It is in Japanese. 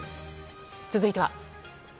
続いては。